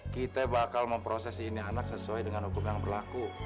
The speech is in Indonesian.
kita bakal memproses ini anak sesuai dengan hukum yang berlaku